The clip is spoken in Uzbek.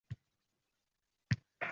Donishmand ularga yaqinlashibdi-da